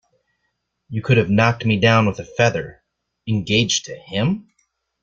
You could have knocked me down with a feather. "Engaged to him?"